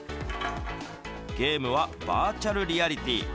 ゲームはバーチャルリアリティー。